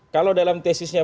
kalau dalam tesisnya